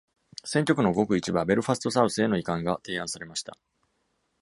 選挙区のごく一部はベルファスト・サウスへの移管が提案されました。